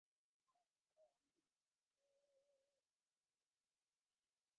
বিশেষ প্রশিক্ষণ পাওয়া এসব স্বাস্থ্যকর্মী বাড়ি বাড়ি গিয়ে পুষ্টি সেবা দিয়েছেন।